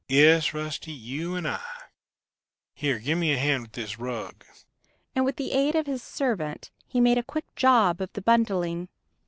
"Yes, Rusty, you and I. Here, give me a hand with this rug," and with the aid of his servant he made a quick job of the bundling.